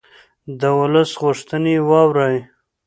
د ولس غوښتنې واورئ